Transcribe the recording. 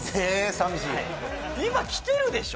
寂しい今来てるでしょ？